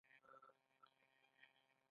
مسلمان باید له سلطان له دښمنانو سره جنګ وکړي.